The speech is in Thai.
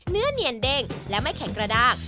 เนียนเด้งและไม่แข็งกระด้าง